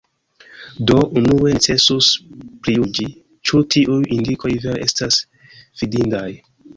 Do, unue necesus prijuĝi, ĉu tiuj indikoj vere estas fidindaj.